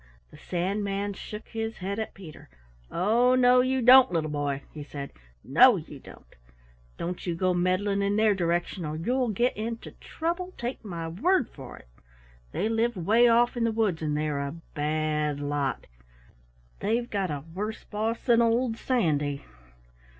The Sandman shook his head at Peter. "Oh, no, you don't, little boy," he said. "No, you don't! Don't you go meddling in their direction or you'll get into trouble, take my word for it. They live way off in the woods and they're a bad lot. They've got a worse boss than old Sandy!